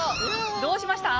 どうしました？